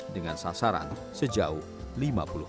dengan sasaran sejauh